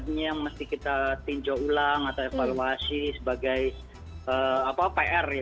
ini yang mesti kita tinjau ulang atau evaluasi sebagai pr ya